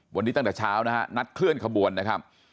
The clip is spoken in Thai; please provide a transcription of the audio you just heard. วันนี้ตั้งแต่เช้านะฮะนัดเคลื่อนขบวนนะครับ